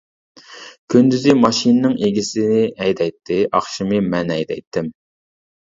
كۈندۈزى ماشىنىنىڭ ئىگىسى ھەيدەيتتى، ئاخشىمى مەن ھەيدەيتتىم.